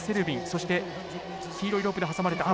そして黄色いロープで挟まれた。